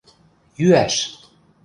Йӱӓш!..